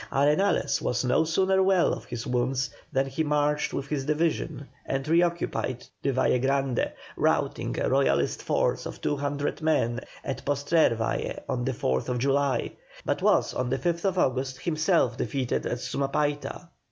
Arenales was no sooner well of his wounds than he marched with his division and reoccupied the Valle Grande, routing a Royalist force of two hundred men at Postrer Valle on the 4th July, but was on the 5th August himself defeated at Sumapaita.